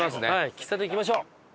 喫茶店行きましょう。